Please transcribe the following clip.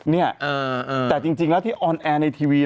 เนี่ยแต่จริงแล้วที่ออนแอร์ในทีวี